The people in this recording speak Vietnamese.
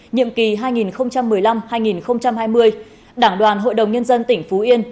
nhiệm kỳ hai nghìn một mươi năm hai nghìn hai mươi đảng đoàn hội đồng nhân dân tỉnh phú yên